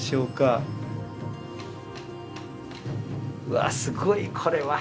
うわすごいこれは。